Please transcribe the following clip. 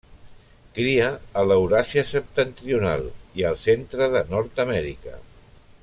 Cria a l'Euràsia septentrional i al centre de Nord-amèrica.